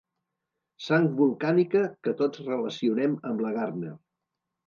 Sang volcànica que tots relacionem amb la Gardner.